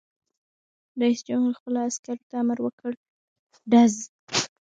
رئیس جمهور خپلو عسکرو ته امر وکړ؛ ډز!